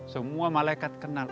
semua malaikat kenal